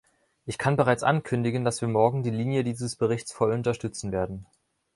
Ich kann bereits ankündigen, dass wir morgen die Linie dieses Berichts voll unterstützen werden.